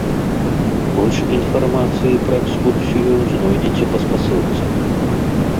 Больш інфармацыі пра экскурсію знойдзеце па спасылцы.